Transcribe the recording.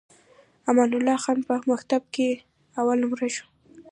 امان الله خان په مکتب کې اول نمره شوی.